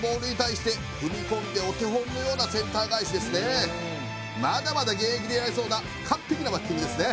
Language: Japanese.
踏み込んでまだまだ現役でやれそうな完璧なバッティングですね